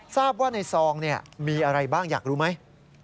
ทราบว่าในซองมีอะไรบ้างอยากรู้ไหม